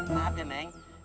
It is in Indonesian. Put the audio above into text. maaf ya neng